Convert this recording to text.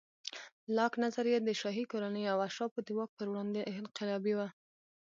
لاک نظریه د شاهي کورنیو او اشرافو د واک پر وړاندې انقلابي وه.